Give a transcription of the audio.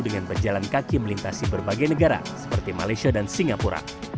dengan berjalan kaki melintasi berbagai negara seperti malaysia dan singapura